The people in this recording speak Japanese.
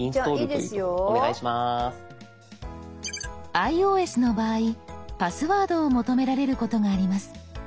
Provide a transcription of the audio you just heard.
ｉＯＳの場合パスワードを求められることがあります。